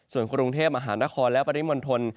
ส่วนกรุงเทพฯอาหารนครและบริมนธน